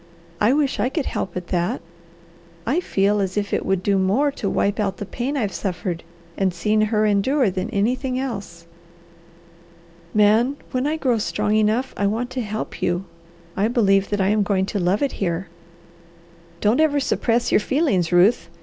"I wish I could help at that. I feel as if it would do more to wipe out the pain I've suffered and seen her endure than anything else. Man, when I grow strong enough I want to help you. I believe that I am going to love it here." "Don't ever suppress your feelings, Ruth!"